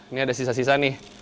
ini ada sisa sisa nih